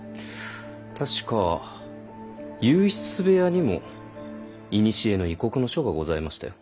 確か右筆部屋にも古の異国の書がございましたよ。